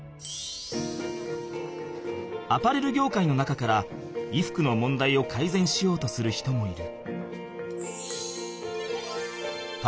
アパレル業界の中から衣服の問題をかいぜんしようとする人もいる。